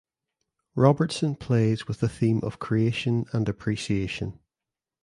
Robertson plays with the theme of creation and appreciation.